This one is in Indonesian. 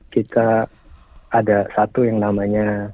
kita ada satu yang namanya